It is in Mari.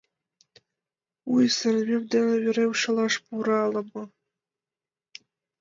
Уй, сырымем дене вӱрем шолаш пура ала-мо!